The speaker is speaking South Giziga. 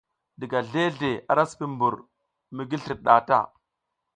Diga zleʼzle ara sipi mbur mi gi slir nɗah ta.